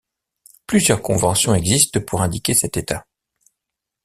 Plusieurs conventions existent pour indiquer cet état.